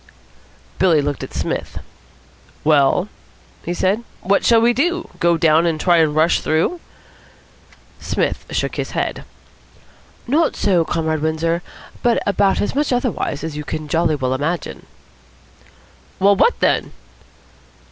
Billy looked at Psmith. "Well?" he said. "What shall we do? Go down and try and rush through?" Psmith shook his head. "Not so, Comrade Windsor, but about as much otherwise as you can jolly well imagine." "Well, what then?"